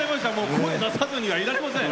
声出さずにはいられません。